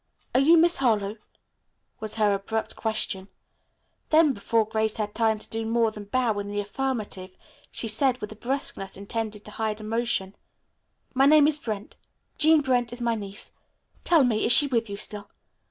"Are you Miss Harlowe?" was her abrupt question. Then before Grace had time to do more than bow in the affirmative, she said with a brusqueness intended to hide emotion, "My name is Brent. Jean Brent is my niece. Tell me, is she with you still?